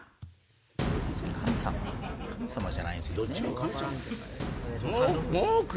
神様じゃないんすけどね。